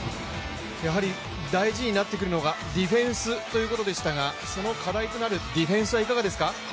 やはり大事になってくるのがディフェンスということでしたがその課題となるディフェンスはいかがですか？